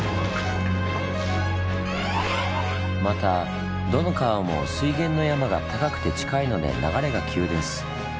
またどの川も水源の山が高くて近いので流れが急です。